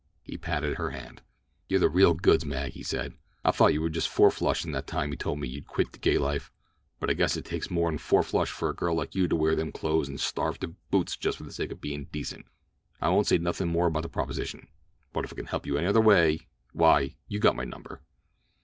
He patted her hand. "You're the real goods, Mag," he said. I thought you was just four flushin' that time you told me you'd quit the gay life, but I guess it takes more'n a four flush for a girl like you to wear them clothes and starve to boot just for the sake of bein' decent. I won't say nothin' more about that proposition; but if I can help you any other old way, why, you got my number.